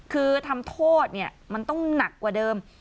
คือทำโทษเนี่ยมันต้องหนักกว่าเดิม